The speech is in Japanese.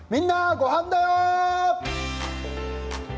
ゴハンだよ」。